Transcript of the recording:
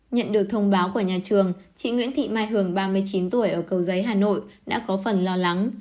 nhận được thông báo của nhà trường chị nguyễn thị mai hường ba mươi chín tuổi ở cầu giấy hà nội đã có phần lo lắng